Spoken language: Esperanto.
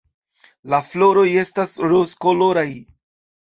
La floroj estas rozkoloraj.